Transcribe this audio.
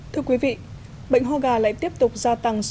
thưa quý vị bệnh hô gà lại tiếp tục gia tăng